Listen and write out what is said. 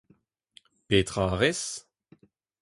Petra a rez ?